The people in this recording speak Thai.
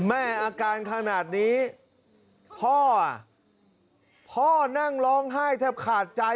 อาการขนาดนี้พ่อพ่อนั่งร้องไห้แทบขาดใจ